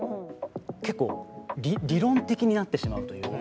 結構理論的になってしまうというか。